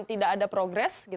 tidak ada progres